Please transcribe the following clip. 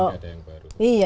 nggak ada yang baru